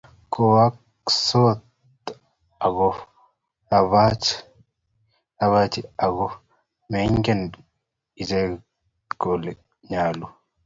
kowaksot ago rabachi ago maingen iche kole ngalu